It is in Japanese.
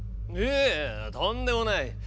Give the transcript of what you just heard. いえとんでもない。